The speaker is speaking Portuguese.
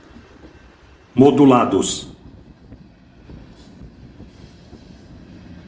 modulados